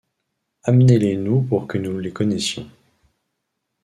Amenez-les nous pour que nous les connaissions.